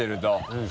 うん。